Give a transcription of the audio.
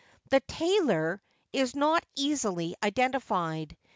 The 'tailor' is not easily identified.